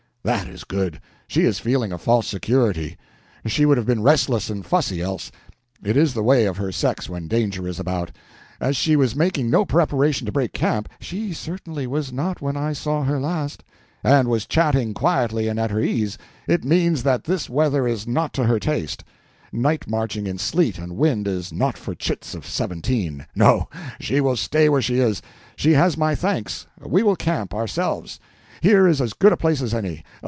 "That is good. She is feeling a false security. She would have been restless and fussy else—it is the way of her sex when danger is about. As she was making no preparation to break camp—" "She certainly was not when I saw her last." "—and was chatting quietly and at her ease, it means that this weather is not to her taste. Night marching in sleet and wind is not for chits of seventeen. No; she will stay where she is. She has my thanks. We will camp, ourselves; here is as good a place as any.